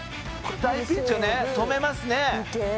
「大ピンチをね止めますね」